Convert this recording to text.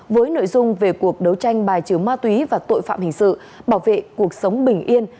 với nội dung về cuộc đấu tranh bài trừ ma túy và tội phạm hình sự bảo vệ cuộc sống bình yên